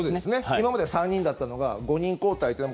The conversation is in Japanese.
今までは３人だったのが５人交代という。